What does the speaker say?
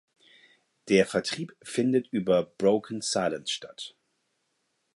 Der Vertrieb findet über Broken Silence statt.